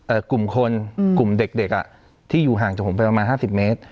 กลุ่มคนอืมกลุ่มเด็กเด็กอ่ะที่อยู่ห่างจากผมไปประมาณห้าสิบเมตร